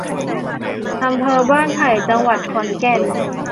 อำเภอบ้านไผ่ จังหวัดขอนแก่น